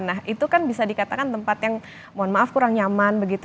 nah itu kan bisa dikatakan tempat yang mohon maaf kurang nyaman begitu